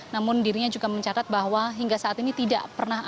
namun dirinya juga mencatat bahwa hingga saat ini tidak pernah ada